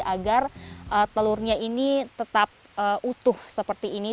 agar telurnya ini tetap utuh seperti ini